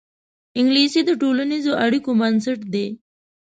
انګلیسي د ټولنیزو اړیکو بنسټ دی